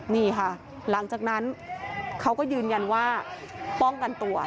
นี่ค่ะหลังจากนั้นเขาก็ยืนยันว่าป้องกันตัว